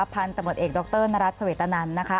พันธุ์ตำรวจเอกดรนรัฐสเวตนันนะคะ